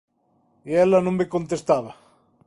E ela non me contestaba.